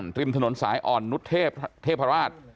ที่ยังขึ้นจากริมถนนสายอ่อนนุฏเทพราวาส